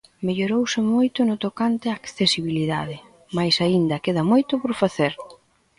Mellorouse moito no tocante á accesibilidade, mais aínda queda moito por facer.